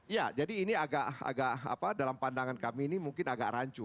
ya jadi ini agak dalam pandangan kami ini mungkin agak rancu